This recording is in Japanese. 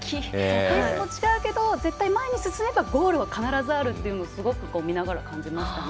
ペースも違うけど絶対前に進めばゴールは必ずあるというのを見ながらすごく感じましたね。